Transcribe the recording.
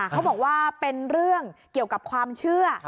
เขาบอกว่าเป็นเรื่องเกี่ยวกับความเชื่อ